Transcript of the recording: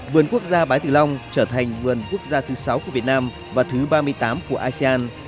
vườn quốc gia bái tử long trở thành vườn quốc gia thứ sáu của việt nam và thứ ba mươi tám của asean